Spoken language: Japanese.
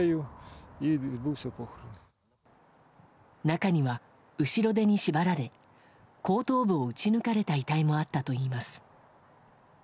中には、後ろ手に縛られ後頭部を撃ち抜かれた遺体もあったといいます。